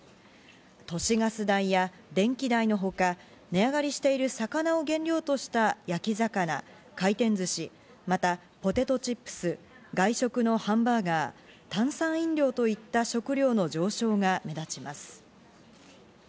都市ガス代や電気代のほか、値上がりしている魚を原料とした焼き魚、回転ずし、またポテトチップス、外食のハンバーガー、炭酸飲料といった食料の上昇が目立ちます。